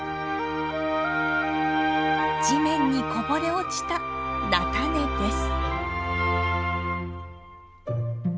地面にこぼれ落ちた菜種です。